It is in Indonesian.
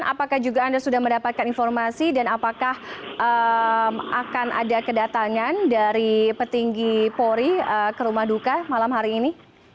apakah juga anda sudah mendapatkan informasi dan apakah akan ada kedatangan dari petinggi polri ke rumah duka malam hari ini